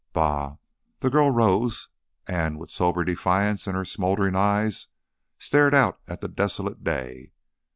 "Bah!" The girl rose and, with somber defiance in her smoldering eyes, stared out at the desolate day.